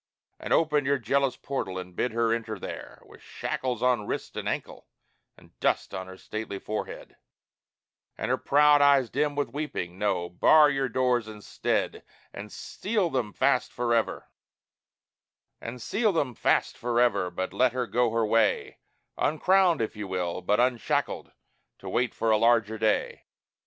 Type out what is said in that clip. And open your jealous portal and bid her enter there With shackles on wrist and ankle, and dust on her stately head, And her proud eyes dim with weeping? No! Bar your doors instead And seal them fast forever! but let her go her way Uncrowned if you will, but unshackled, to wait for a larger day.